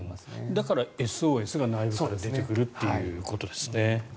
だから、ＳＯＳが内部から出てくるということですね。